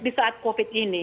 di saat covid ini